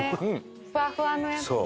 ふわふわのやつだ。